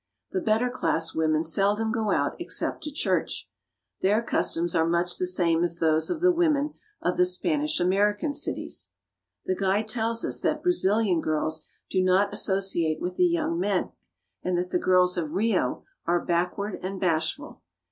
The better class women seldom go out except to church. Their customs are much the same as those of the women of the Spanish American cities. The guide tells us that Brazilian girls do not associate with the young men, and that the girls of Rio are back ward and bashful.